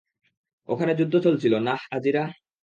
ওখানে যুদ্ধ চলছিল আহ, নাজিরা?